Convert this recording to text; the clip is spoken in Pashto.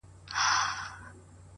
دا نجلۍ لکه شبنم درپسې ژاړي;